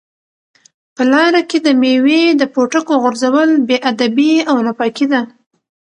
په لاره کې د مېوې د پوټکو غورځول بې ادبي او ناپاکي ده.